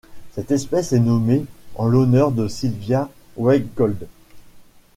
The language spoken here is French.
Cette espèce est nommée en l'honneur de Sylvia Weygoldt.